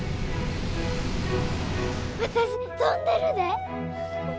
私飛んでるで！